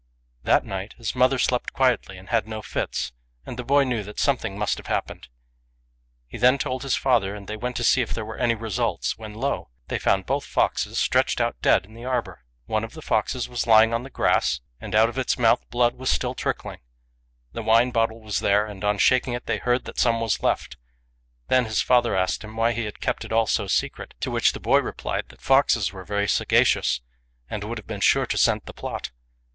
That night his mother slept quietly and had no fits, and the boy knew that something must have happened. He then told his FROM A CHINESE STUDIO. 91 father, and they went to see if there were any results ; when lo ! they found both foxes stretched out dead in the arbour. One of the foxes was lying on the grass, and out of its mouth blood was still trickling. The wine bottle was there; and on shaking it they heard that some was left. Then his father asked him why he had kept it all so secret ; to which the boy replied that foxes were very sagacious, and would have been sure to scent the plot.